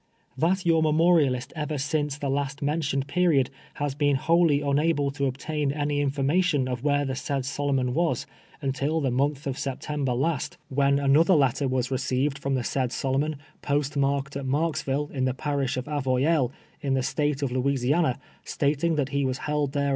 That your memorialist ever shice the last mentioned period has been wholly miable to obtain any uiformation of where the said Solomon was, mitil the month of September last, when 32G TWELVE TEARS A SLAVE. another li'ttrr was ivciivoJ tVoin the said Solomon, post marked at Marks\ ille, in tin parish of Avoyfllos, in the State of Lou isiana, stating that he was held there a.